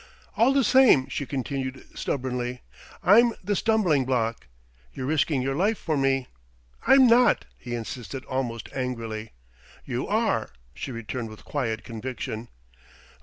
"All the same," she continued stubbornly, "I'm the stumbling block. You're risking your life for me " "I'm not," he insisted almost angrily. "You are," she returned with quiet conviction.